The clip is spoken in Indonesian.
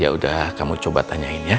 ya udah kamu coba tanyain ya